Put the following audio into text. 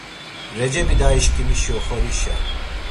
Recebi dayişǩimişi oxorişa.